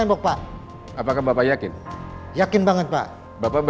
makasih banyak ya pak